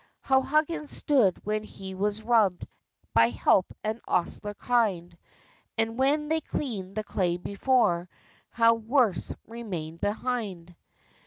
How Huggins stood when he was rubbed By help and ostler kind, And when they cleaned the clay before, How worse "remained behind."